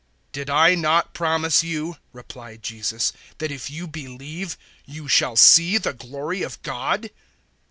011:040 "Did I not promise you," replied Jesus, "that if you believe, you shall see the glory of God?"